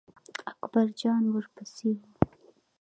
اکبر جان ور پسې و.